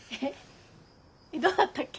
どうだったっけ。